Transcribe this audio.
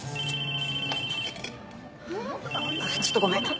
ちょっとごめん。